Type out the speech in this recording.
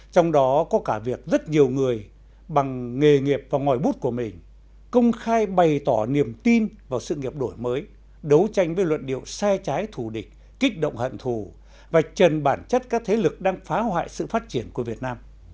trong đó có cả việc rất nhiều người bằng nghề nghiệp và ngòi bút của mình công khai bày tỏ niềm tin vào sự nghiệp đổi mới đấu tranh với luận điệu sai trái thù địch kích động hận thù và trần bản chất các thế lực đang phá hoại sự phát triển của việt nam